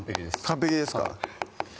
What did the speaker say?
完璧ですか？